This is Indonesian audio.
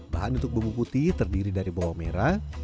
bahan untuk bumbu putih terdiri dari bawang merah